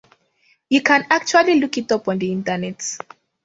You can actually look it up on the Internet.